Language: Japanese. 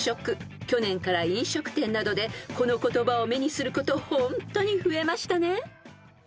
［去年から飲食店などでこの言葉を目にすることホントに増えましたね］